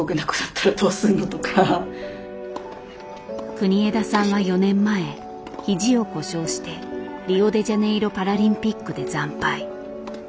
国枝さんは４年前肘を故障してリオデジャネイロパラリンピックで惨敗。